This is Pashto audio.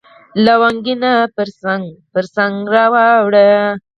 لونګینه پرڅنګ، پرڅنګ را واوړه